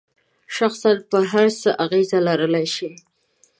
شخصاً پر هر څه اغیز لرلای شي.